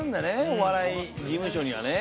お笑い事務所にはね。